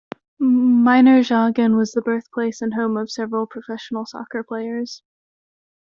Meinerzhagen was the birthplace and home of several professional soccer players.